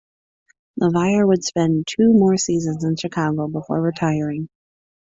LaValliere would spend two more seasons in Chicago before retiring.